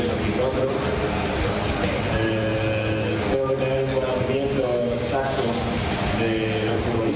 saya harus memiliki pengetahuan yang tepat dari pemain